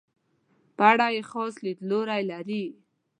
په اړه یې خاص لیدلوری لري.